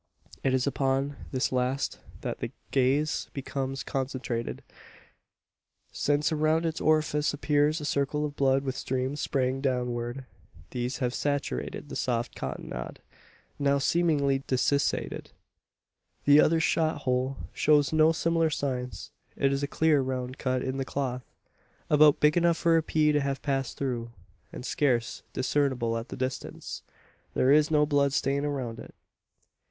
It is upon this last that the gaze becomes concentrated: since around its orifice appears a circle of blood with streams straying downward. These have saturated the soft cottonade now seemingly desiccated. The other shot hole shows no similar signs. It is a clear round cut in the cloth about big enough for a pea to have passed through, and scarce discernible at the distance. There is no blood stain around it.